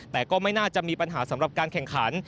แต่ก็ไม่น่าจะมีปัญหาสำหรับการแข่งขัน